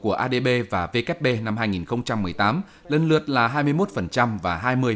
adb và vkp năm hai nghìn một mươi tám lên lượt là hai mươi một và hai mươi hai